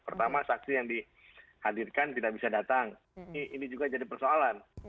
pertama saksi yang dihadirkan tidak bisa datang ini juga jadi persoalan